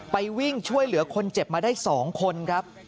วิ่งช่วยเหลือคนเจ็บมาได้๒คนครับ